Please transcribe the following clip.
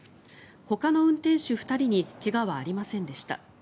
ほかの運転手２人に怪我はありませんでした。